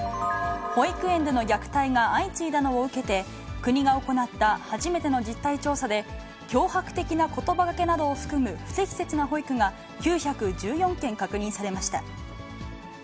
保育園での虐待が相次いだのを受けて、国が行った初めての実態調査で、脅迫的なことばがけなどを含む不適切な保育が９１４件確認されました。